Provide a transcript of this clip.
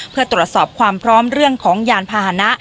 เพื่อตรวจสอบความพร้อมเรื่องของยานพาหนะ